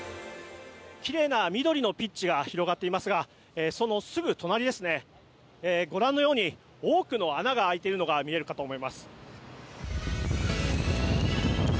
きれいな緑のピッチが広がっていますがそのすぐ隣ですね、ご覧のように多くの穴が開いているのが見えるかと思います。